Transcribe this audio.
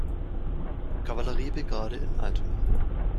Kavallerie-Brigade in Altona.